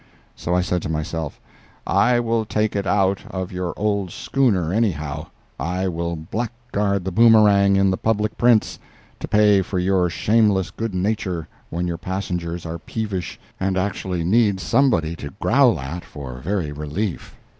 So I said to myself "I will take it out of your old schooner, anyhow; I will blackguard the Boomerang in the public prints, to pay for your shameless good nature when your passengers are peevish and actually need somebody to growl at for very relief!"